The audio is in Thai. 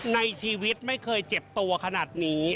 ในชีวิตไม่เคยเจ็บตัวขนาดนี้